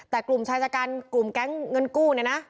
แต่กลุ่มใช้จากการกลุ่มแก๊งเงินกู้นี่นะ